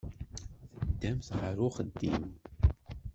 Teddamt ɣer uxeddim.